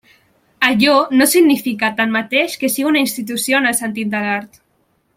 Allò no significa, tanmateix, que sigui una institució en el sentit de l'art.